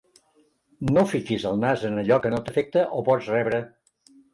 No fiquis el nas en allò que no t'afecta o pots rebre!